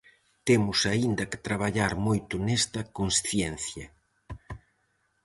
Temos aínda que traballar moito nesta consciencia.